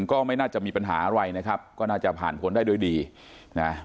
ก็ไม่น่าจะมีปัญหาอะไรนะครับก็น่าจะผ่านผลได้ด้วยดีนะ